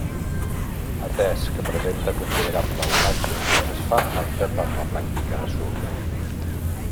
Atès que presenta considerable onatge es fa apta per a la pràctica de surf.